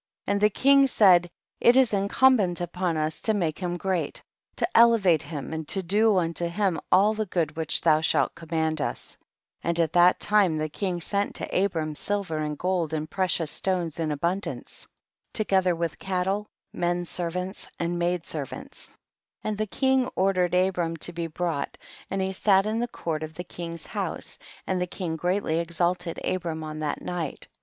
22. And the king said, it is incmn bent upon us to make him great, to elevate him and to do unto him all the good which thou shalt command us ; and at that time the king sent to Abram silver and gold and precious stones in abundance, together with cattle, men servants and maid ser vants ; and the king ordered Abram to be brought, and he sat in the court of the king's house, and the king greatly exalted Abram on that night, 23.